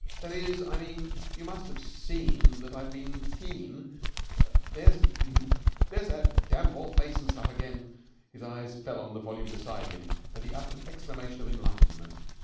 That is, I mean, you must have seen that I've been keen ... There's that damned Walt Mason stuff again!" His eyes fell on the volume beside him and he uttered an exclamation of enlightenment.